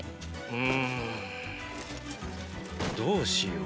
うーんどうしよう。